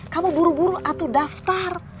kamu buru buru atau daftar